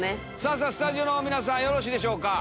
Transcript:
さぁスタジオの皆さんよろしいでしょうか。